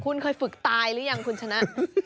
คุณเคยฝึกตายหรือยังคุณชนะ